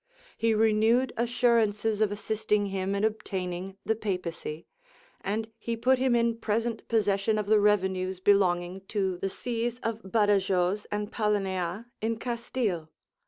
He renewed assurances of assisting him in obtaining the papacy; and he put him in present possession of the revenues belonging to the sees of Badajoz and Paleneia in Castile.